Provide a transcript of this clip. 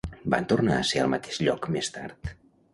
Van tornar a ser al mateix lloc més tard?